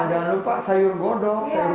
jangan lupa sayur godok